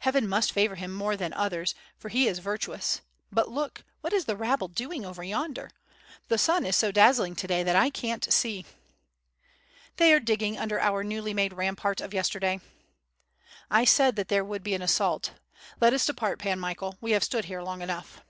"Heaven must favor him more than others, for he is vir WITH FIRE AND SWORD. 769 tuous. But look! what is the rabble doing over yonder? The sun is so dazzling to day that I can't see." "They are digging under our newly made rampart of yes terday." "I said that there would be an assault. Let us depart, Pan Michael, we have stood here long enough."